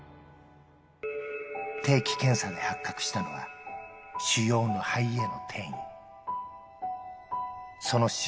定期検査で発覚したのは、腫瘍の肺への転移。